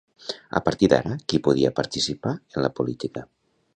A partir d'ara qui podia participar en la política?